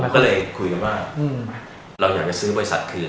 ก็เลยคุยกันว่าเราอยากจะซื้อบริษัทคืน